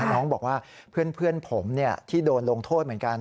น้องบอกว่าเพื่อนผมที่โดนลงโทษเหมือนกัน